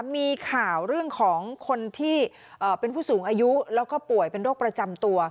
มีข่าวเรื่องของคนที่เป็นผู้สูงอายุแล้วก็ป่วยเป็นโรคประจำตัว